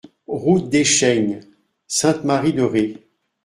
Route des Chaignes, Sainte-Marie-de-Ré